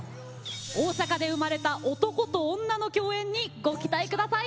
大阪で生まれた男と女の共演にご期待下さい！